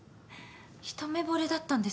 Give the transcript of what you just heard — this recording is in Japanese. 一目ぼれだったんですか？